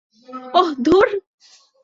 ওহ, ধুর!